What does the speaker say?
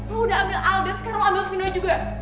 lo udah ambil alden sekarang ambil vino juga